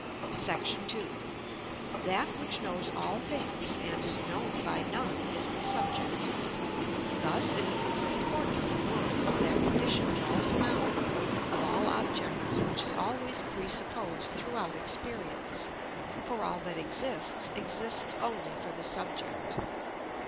§ 2. That which knows all things and is known by none is the subject. Thus it is the supporter of the world, that condition of all phenomena, of all objects which is always pre supposed throughout experience; for all that exists, exists only for the subject.